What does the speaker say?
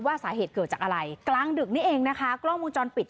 สาเหตุเกิดจากอะไรกลางดึกนี้เองนะคะกล้องวงจรปิด